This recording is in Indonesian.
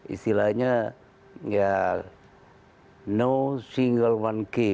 istilahnya ya no single one ky